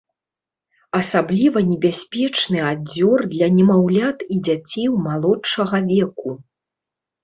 Асабліва небяспечны адзёр для немаўлят і дзяцей малодшага веку.